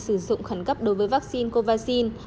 sử dụng khẩn cấp đối với vaccine covaxin